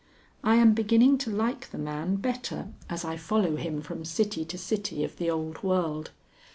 I am beginning to like the man better as I follow him from city to city of the old world.